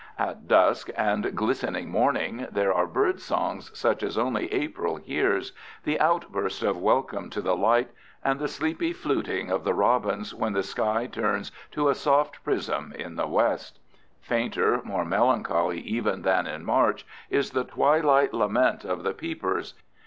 At dusk and glistening morning there are bird songs such as only April hears—the outburst of welcome to the light, and the sleepy fluting of the robins when the sky turns to a soft prism in the west. Fainter, more melancholy even than in March, is the twilight lament of the peepers.